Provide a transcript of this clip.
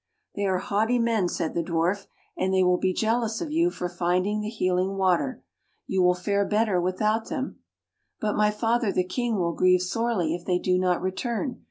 They are haughty men," said the Dwarf, " and they will be jealous of you for finding [ 104 ] THE HEALING WATER the healing water. You will fare better without them." "But my father, the King, will grieve sorely if they do not return.